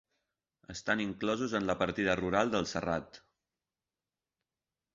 Estan inclosos en la partida rural del Serrat.